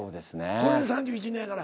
これで３１年やから。